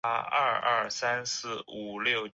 他的生平在沃尔索尔博物馆展出。